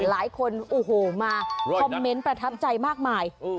หลายคนโอ้โหมาคอมเมนต์ประทับใจมากมาย